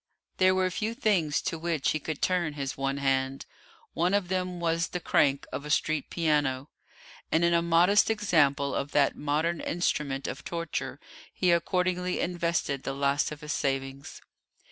There were few things to which he could turn his one hand; one of them was the crank of a street piano, and in a modest example of that modern instrument of torture he accordingly invested the last of his savings.